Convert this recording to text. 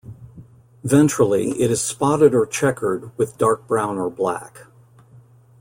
Ventrally, it is spotted or checkered with dark brown or black.